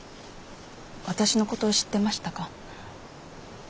私のこと知ってましたか？